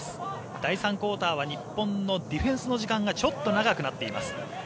第３クオーターは日本のディフェンスの時間がちょっと長くなっています。